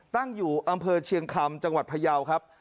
ตั้งอยู่อำเภอเชียงคำจังหวัดพยาวครับ